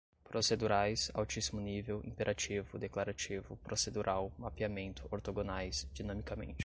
procedurais, altíssimo nível, imperativo, declarativo, procedural, mapeamento, ortogonais, dinamicamente